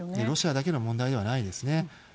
ロシアだけの問題ではないですね。